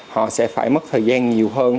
họ sẽ phải mất thời gian nhiều hơn